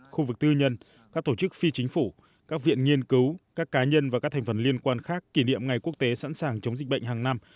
khu vực tư nhân các tổ chức phi chính phủ các viện nghiên cứu các cá nhân và các thành phần liên quan khác kỷ niệm ngày quốc tế sẵn sàng chống dịch bệnh hàng năm